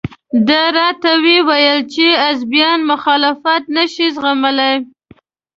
ده راته وویل چې حزبیان مخالفت نشي زغملى.